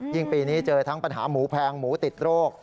ปีนี้เจอทั้งปัญหาหมูแพงหมูติดโรค